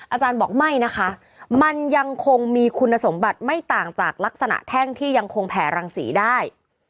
อาจารย์บอกไม่นะคะมันยังคงมีคุณสมบัติไม่ต่างจากลักษณะแท่งที่ยังคงแผ่รังสีได้